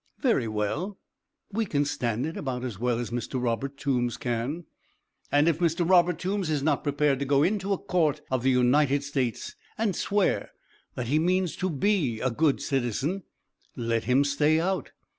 "Very well; we can stand it about as well as Mr. Robert Toombs can. And if Mr. Robert Toombs is not prepared to go into a court of the United States and swear that he means to be a good citizen, let him stay out.